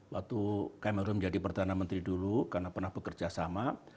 waktu cameron menjadi pertanda menteri dulu karena pernah bekerja sama